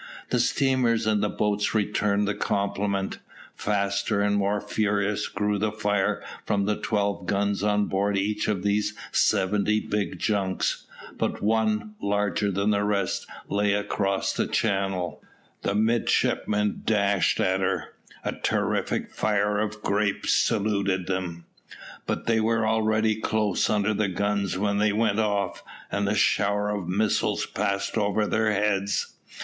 The steamers and the boats returned the compliment. Faster and more furious grew the fire from the twelve guns on board each of those seventy big junks; but one, larger than the rest, lay across the channel: the midshipmen dashed at her; a terrific fire of grape saluted them, but they were already close under the guns when they went off, and the shower of missiles passed over their heads.